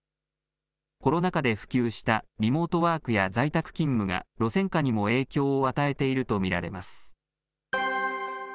コロナ禍で普及したリモートワークや在宅勤務が路線価にも影響を与えていると見られます。